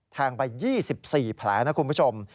แทงไป๒๔แผลนะคุณผู้ชม